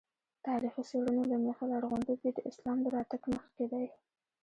تاریخي څېړنو له مخې لرغونتوب یې د اسلام له راتګ مخکې دی.